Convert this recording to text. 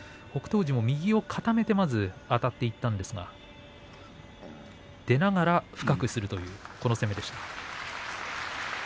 富士も右を固めてまずはあたっていったんですが出ながら深くするというこの攻めでした。